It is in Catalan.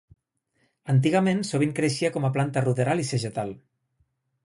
Antigament sovint creixia com a planta ruderal i segetal.